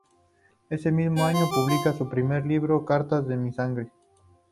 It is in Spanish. Ese mismo año publica su primer libro, "Cartas a mi sangre".